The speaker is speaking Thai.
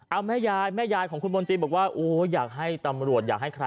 เอ้าแม่ยายแม่ยายของคุณมนตรีบอกว่า